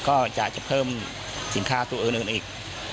ก็จะเพิ่มสินค้าตัวอื่นอีก